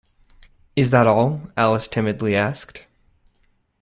‘Is that all?’ Alice timidly asked.